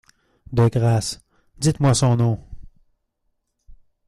de grâce, dites-moi son nom ?